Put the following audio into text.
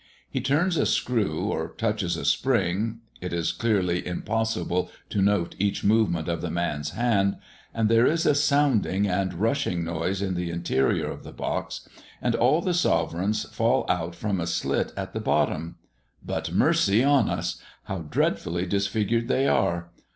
He turns a screw, or touches a spring it is clearly impossible to note each movement of the man's hand and there is a sounding and rushing noise in the interior of the box, and all the sovereigns fall out from a slit at the bottom. But mercy on us! how dreadfully disfigured they are!